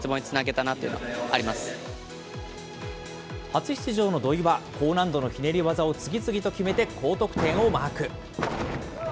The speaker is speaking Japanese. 初出場の土井は、高難度のひねり技を次々と決めて高得点をマーク。